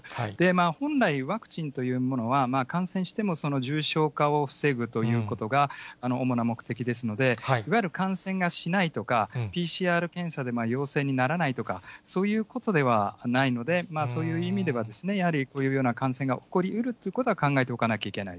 本来、ワクチンというものは感染しても重症化を防ぐということが主な目的ですので、いわゆる感染がしないとか、ＰＣＲ検査で陽性にならないとか、そういうことではないので、そういう意味ではやはり、こういうような感染が起こりうるということは考えておかなきゃいけない。